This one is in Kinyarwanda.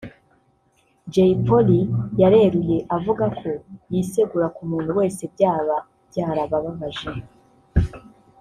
Jay Polly yareruye avuga ko yisegura ku muntu wese byaba byarababaje